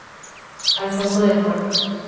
Alfonso del Puerto.